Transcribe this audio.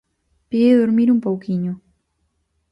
Pide durmir un pouquiño.